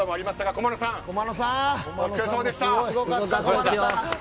駒野さん、お疲れさまでした。